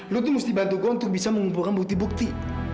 lu tuh mesti bantu gue untuk bisa mengumpulkan bukti bukti